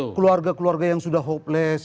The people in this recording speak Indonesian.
keluarga keluarga yang sudah hopeless